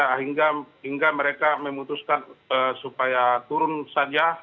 sehingga mereka memutuskan supaya turun saja